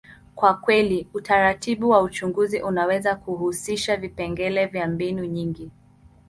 kwa kweli, utaratibu wa uchunguzi unaweza kuhusisha vipengele vya mbinu nyingi.